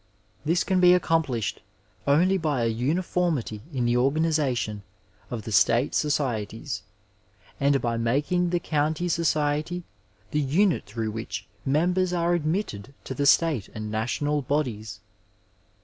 This can be accomplished only by a uniformity in the organization of the state societies, and by making the county society the unit through which members are ad mitted to the state and national bodies.